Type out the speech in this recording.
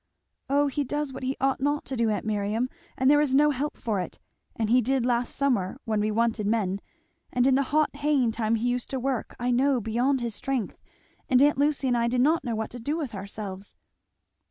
"Oh he does what he ought not to do, aunt Miriam, and there is no help for it, and he did last summer when we wanted men; and in the hot haying time, he used to work, I know, beyond his strength, and aunt Lucy and I did not know what to do with ourselves!